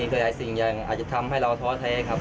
หลายอย่างอาจจะทำให้เราท้อเทครับ